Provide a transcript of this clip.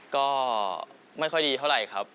ก็ไม่ค่อยดีเท่าไหร่ครับ